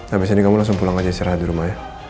habis ini kamu langsung pulang aja istirahat di rumah ya